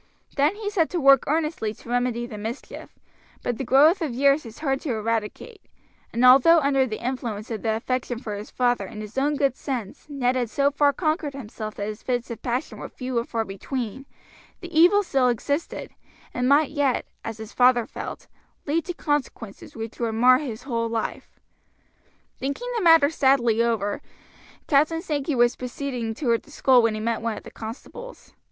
Then he set to work earnestly to remedy the mischief, but the growth of years is hard to eradicate, and although under the influence of the affection for his father and his own good sense Ned had so far conquered himself that his fits of passion were few and far between, the evil still existed, and might yet, as his father felt, lead to consequences which would mar his whole life. Thinking the matter sadly over, Captain Sankey was proceeding toward the school when he met one of the constables.